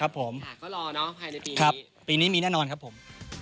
ปีนี้มีแน่นอนครับผม